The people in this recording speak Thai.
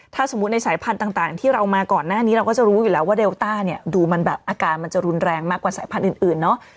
ถ้าสมมุติในสายพันธุ์ต่างที่เรามาก่อนหน้านี้เราก็จะรู้อยู่แล้วว่าเดลต้าเนี่ยดูมันแบบอาการมันจะรุนแรงมากกว่าสายพันธุ์อื่นเนาะ